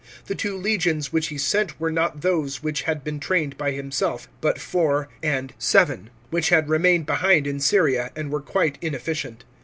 The two legions which he sent were not those which had been trained by himself, but IV. and XII., which had remained behind in Syria, and were quite inefficient.